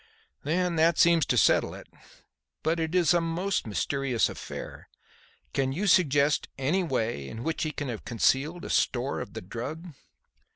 "Then that seems to settle it. But it is a most mysterious affair. Can you suggest any way in which he can have concealed a store of the drug?"